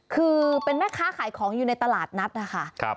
คือเป็นแม่ค้าขายของอยู่ในตลาดนัดนะคะ